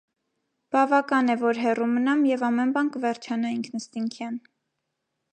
Բավական է, որ հեռու մնամ, և ամեն բան կվերջանա ինքնըստինքյան: